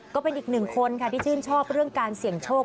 ก็เป็นอีกหนึ่งคนค่ะที่ชื่นชอบเรื่องการเสี่ยงโชค